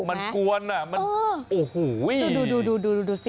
มันกวนดิ